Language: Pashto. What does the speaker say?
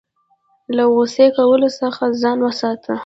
له غوسې کولو څخه ځان وساته .